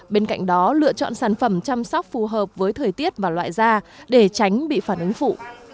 bên cạnh đó lựa chọn sản phẩm chăm sóc phù hợp với thời tiết và loại da để tránh bị phản ứng phụ